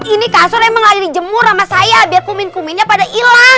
ini kasur emang ada dijemur sama saya biar kumin kuminnya pada hilang